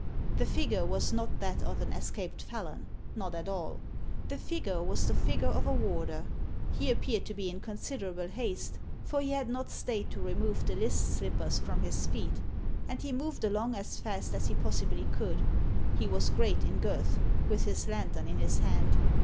The figure was not that of an escaped felon — not at all. The figure was the figure of a warder. He appeared to be in considerable haste, for he had not stayed to remove the list slippers from his feet, and he moved along as fast as he pos sibly could — he was great in girth — ^with his lantern in his hand.